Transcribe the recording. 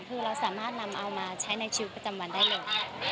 คือเราสามารถนำเอามาใช้ในชีวิตประจำวันได้เลย